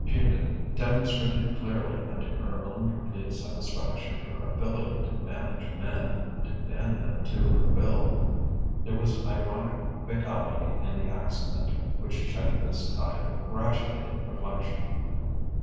She had demonstrated clearly and to her own complete satisfaction her ability to manage men, to bend them to her will.... There was ironic fatality in the accident which checked this tide of gratulate reflection.